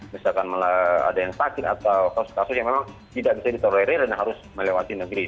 misalkan ada yang sakit atau kasus kasus yang memang tidak bisa ditolerir dan harus melewati negeri